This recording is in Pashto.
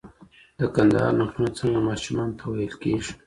د کندهار نکلونه څنګه ماشومانو ته ویل کېږي؟